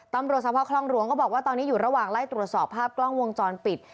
ตำรวจสภาพคลองหลวงก็บอกว่าตอนนี้อยู่ระหว่างไล่ตรวจสอบภาพกล้องวงจรปิด